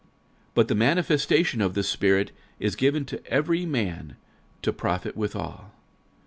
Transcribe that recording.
46:012:007 But the manifestation of the Spirit is given to every man to profit withal.